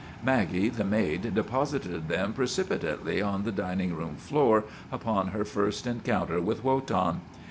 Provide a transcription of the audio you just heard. Maggie, the maid, deposited them precipitately on the dining room floor upon her first encounter with Wotan.